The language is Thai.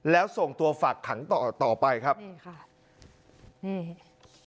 แล้วส่งตัวฝากขังต่อต่อไปครับนี่ค่ะอืม